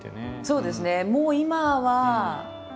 そうですね。